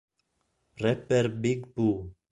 Rapper Big Pooh